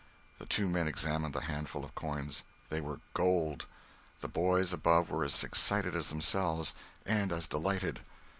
The two men examined the handful of coins. They were gold. The boys above were as excited as themselves, and as delighted.